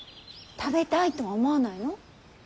食べたいとは思わないの？